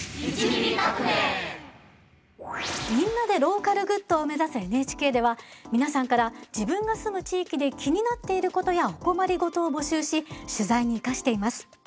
「みんなでローカルグッド」を目指すＮＨＫでは皆さんから自分が住む地域で気になっていることやお困り事を募集し取材に生かしています。